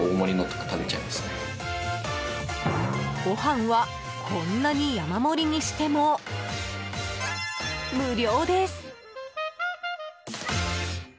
ご飯はこんなに山盛りにしても無料です。